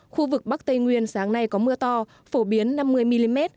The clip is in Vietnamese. khu vực bắc tây nguyên sáng nay có mưa to phổ biến năm mươi mm